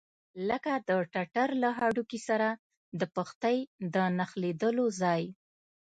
لکه د ټټر له هډوکي سره د پښتۍ د نښلېدلو ځای.